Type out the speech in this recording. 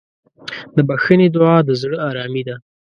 د بښنې دعا د زړه ارامي ده.